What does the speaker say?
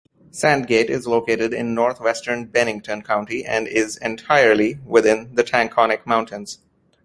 Sandgate is located in northwestern Bennington County and is entirely within the Taconic Mountains.